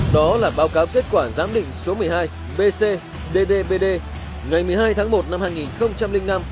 đó là báo cáo kết quả giám định số một mươi hai bc ddbdd ngày một mươi hai tháng một năm hai nghìn năm